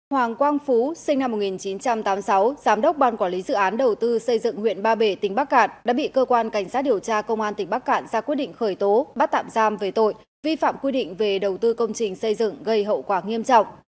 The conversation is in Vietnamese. hoàng quang phú sinh năm một nghìn chín trăm tám mươi sáu giám đốc ban quản lý dự án đầu tư xây dựng huyện ba bể tỉnh bắc cạn đã bị cơ quan cảnh sát điều tra công an tỉnh bắc cạn ra quyết định khởi tố bắt tạm giam về tội vi phạm quy định về đầu tư công trình xây dựng gây hậu quả nghiêm trọng